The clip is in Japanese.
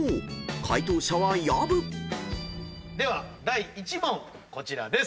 解答者は薮］では第１問こちらです。